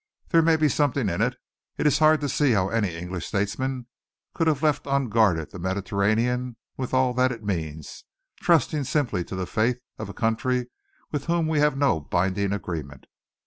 There may be something in it. It is hard to see how any English statesman could have left unguarded the Mediterranean, with all that it means, trusting simply to the faith of a country with whom we have no binding agreement.